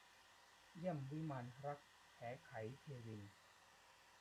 เยี่ยมวิมานรัก - แขไข เทวินทร์